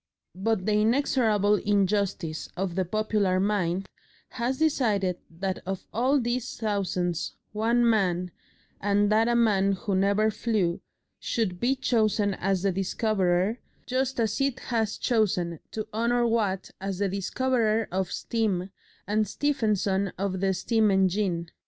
But the inexorable injustice of the popular mind has decided that of all these thousands, one man, and that a man who never flew, should be chosen as the discoverer, just as it has chosen to honour Watt as the discoverer of steam and Stephenson of the steam engine.